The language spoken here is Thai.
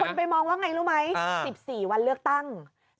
ไปมองว่าไงรู้ไหม๑๔วันเลือกตั้ง